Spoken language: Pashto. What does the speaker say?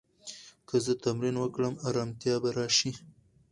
که زه تمرین وکړم، ارامتیا به راشي.